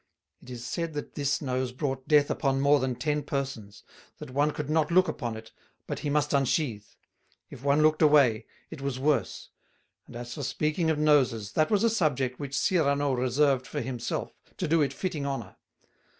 It is said that this nose brought death upon more than ten persons; that one could not look upon it, but he must unsheathe; if one looked away, it was worse; and as for speaking of Noses, that was a subject which Cyrano reserved for himself, to do it fitting honor.